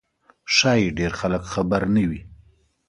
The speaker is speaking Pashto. ښایي ډېر خلک خبر نه وي.